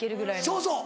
そうそう。